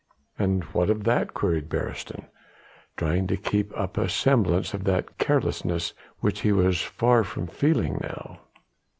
"And what of that?" queried Beresteyn, trying to keep up a semblance of that carelessness which he was far from feeling now.